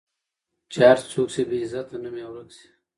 چي هر څوک سي بې عزته نوم یې ورک سي